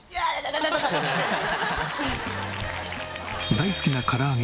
大好きな唐揚げを